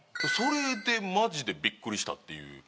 それでマジでびっくりしたっていう。